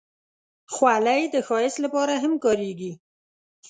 خولۍ د ښایست لپاره هم کارېږي.